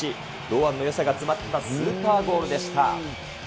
堂安のよさが詰まったスーパーゴールでした。